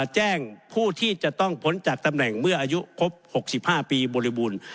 แจ้งผู้ที่จะต้องพ้นจากตำแหน่งเมื่ออายุครบ๖๕ปีบริบูรณ์